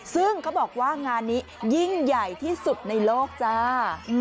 ซึ่งเขาบอกว่างานนี้ยิ่งใหญ่ที่สุดในโลกจ้า